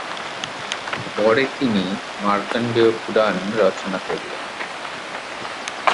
পরে তিনি মার্কন্ডেয় পুরাণ রচনা করলেন।